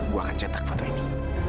gue akan cetak foto ini